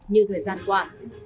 như thời gian qua